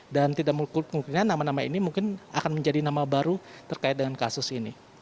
dan tidak mungkin nama nama ini akan menjadi nama baru terkait dengan kasus ini